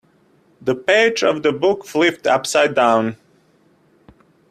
The pages of the book flipped upside down.